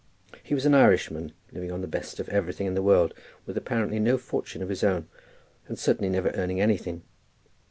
He was an Irishman, living on the best of everything in the world, with apparently no fortune of his own, and certainly never earning anything.